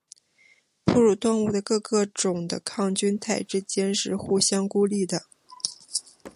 哺乳动物的各个种的抗菌肽之间是互相孤立的。